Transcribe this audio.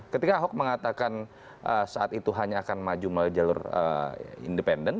ketika ahok mengatakan saat itu hanya akan maju melalui jalur independen